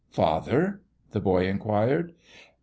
"Father?" the boy inquired.